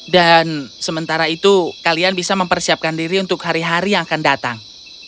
dan sementara itu kalian bisa mempersiapkan diri untuk hari hari yang akan datang